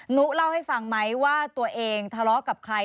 นุเล่าให้ฟังไหมว่าตัวเองทะเลาะกับใคร